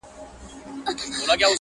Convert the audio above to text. • د عرب خبره زړه ته سوله تېره,